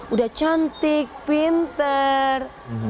udah cantik pintar